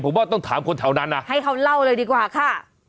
ผมว่าต้องถามคนแถวนั้นนะให้เขาเล่าเลยดีกว่าค่ะ